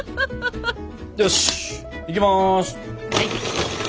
よしいきます！